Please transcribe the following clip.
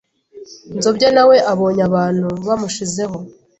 Nzobya na we abonye abantu bamushizeho